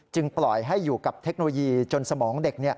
ปล่อยให้อยู่กับเทคโนโลยีจนสมองเด็ก